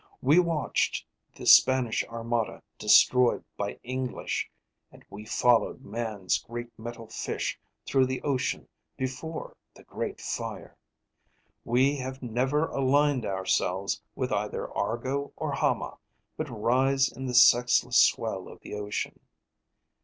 We watched the Spanish Armada destroyed by English, and we followed Man's great metal fish through the ocean before the Great Fire. We have never aligned ourselves with either Argo or Hama, but rise in the sexless swell of the ocean.